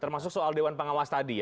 termasuk soal dewan pengawas tadi ya